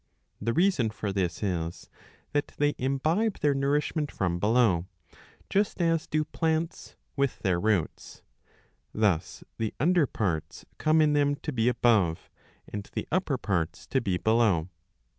The reason for. this is that they imbibe their nourishment from below, just as dok plants with their roots.^ Thus the under parts come in them to be above, and the upper parts to be below.